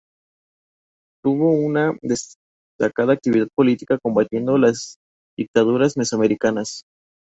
Tuvo una destacada actividad política combatiendo las dictaduras mesoamericanas.